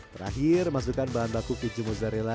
terakhir masukkan bahan baku keju mozzarella